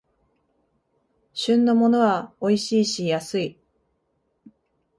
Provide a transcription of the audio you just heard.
旬のものはおいしいし安い